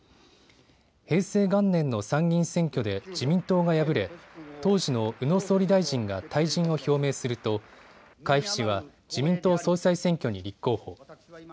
平成元年の参議院選挙で自民党が敗れ当時の宇野総理大臣が退陣を表明すると海部氏は自民党総裁選挙に立候補。